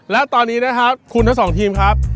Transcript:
และตอนนี้นะครับคุณทั้งสองทีมครับ